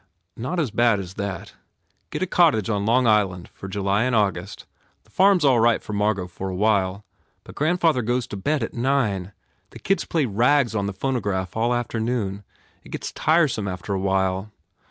"Not as bad as that. Get a cottage on Long Island for July and August. The farm s all right for Margot for a while. But grandfather goes to bed at nine. The kids play rags on the phonograph all afternoon. It gets tiresome after a while.